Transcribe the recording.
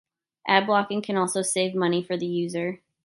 Ad blocking can also save money for the user.